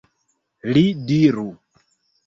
Li diru!